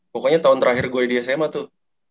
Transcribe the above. pokoknya tahun terakhir gue di sma tuh